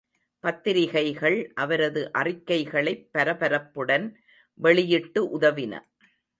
பத்திரிக்கைகள் அவரது அறிக்கைகளைப் பரபரப்புடன் வெளியிட்டு உதவின.